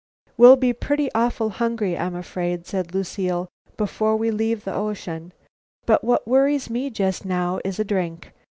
"We'll be pretty awful hungry, I am afraid," said Lucile, "before we leave the ocean. But what worries me just now is a drink.